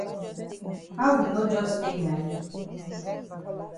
How we no jus take na yi?